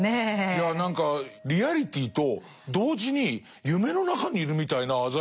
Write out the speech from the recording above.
いや何かリアリティーと同時に夢の中にいるみたいな鮮やかさと。